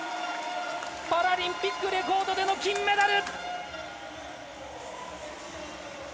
パラリンピックレコードでの金メダル！